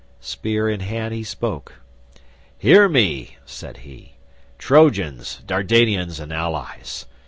Spear in hand he spoke. "Hear me," said he, "Trojans, Dardanians, and allies.